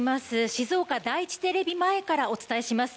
静岡第一テレビ前からお伝えします。